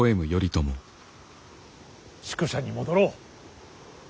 宿所に戻ろう。